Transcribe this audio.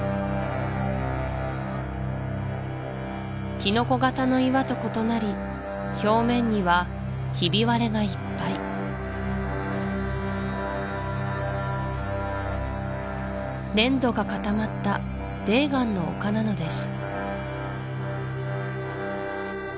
キノコ形の岩と異なり表面にはひび割れがいっぱい粘土が固まった泥岩の丘なのです